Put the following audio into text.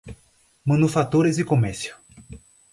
Manufaturas e Comércio